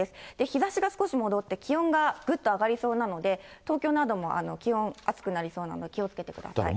日ざしが少し戻って、気温がぐっと上がりそうなので、東京なども気温、暑くなりそうなので、気をつけてください。